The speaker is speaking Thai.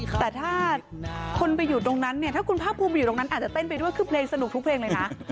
แต่ถ้าคนไปอยู่ตรงนั้นเนี่ยถ้าคุณภาคภูมิอยู่ตรงนั้นอาจจะเต้นไปด้วยคือเพลงสนุกทุกเพลงเลยนะ